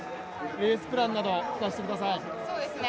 レースプランなど聞かせてください。